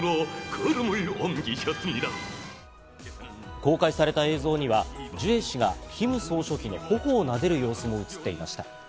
公開された映像にはジュエ氏がキム総書記の頬をなでる様子も映っていました。